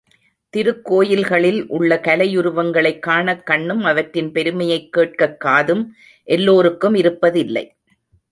திருக்கோயில்களில் உள்ள கலையுருவங்களைக் காணக் கண்ணும் அவற்றின் பெருமையைக் கேட்கக் காதும் எல்லோருக்கும் இருப்பதில்லை.